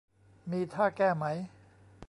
มีท่าแก้ไหม ?